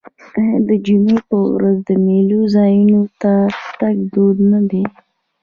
آیا د جمعې په ورځ د میلو ځایونو ته تګ دود نه دی؟